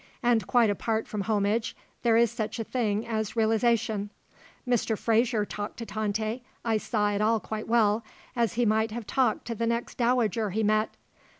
And quite apart from homage, there is such a thing as realisation. Mr. Fraser talked to Tante I saw it all quite well as he might have talked to the next dowager he met.